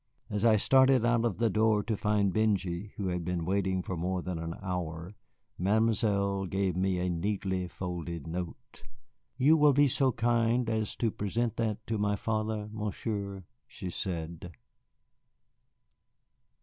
As I started out of the door to find Benjy, who had been waiting for more than an hour, Mademoiselle gave me a neatly folded note. "You will be so kind as to present that to my father, Monsieur," she said.